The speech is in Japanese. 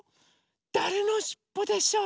だれのしっぽでしょう？